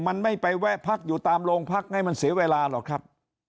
มันไม่ไปแวะพักอยู่ตามโรงพักให้มันเสียเวลาหรอกครับ